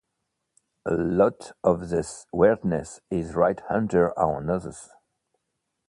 A lot of this weirdness is right under our noses.